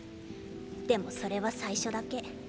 でもそれは最初だけ。